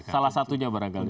salah satunya barangkali